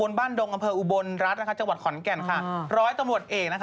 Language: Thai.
ช่วงนี้นะคะมีโจทย์ขโมยมันสัมปะหลังค่ะ